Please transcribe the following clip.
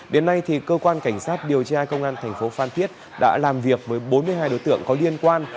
đến nay cơ quan cảnh sát điều tra công an thành phố phan thiết đã làm việc với bốn mươi hai đối tượng có liên quan